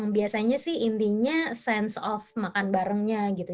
biasanya sih intinya sense of makan barengnya gitu